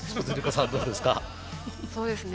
さんどうですか？